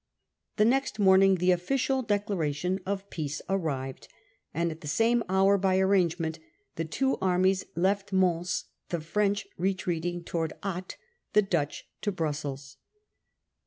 The next morning the official declara tion of peace arrived, and at the same hour by arrange ment the two armies left Mons, the F rench retreating towards Ath, the Dutch to Brussels.